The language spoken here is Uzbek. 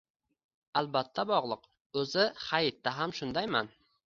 – Albatta, bog‘liq. O‘zi haytda ham shundayman.